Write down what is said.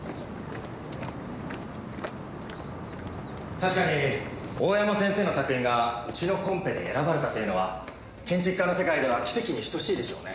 確かに大山先生の作品がうちのコンペで選ばれたというのは建築家の世界では奇跡に等しいでしょうね。